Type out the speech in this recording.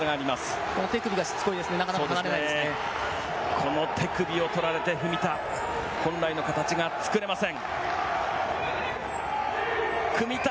この手首を取られて文田、本来の形が作れません。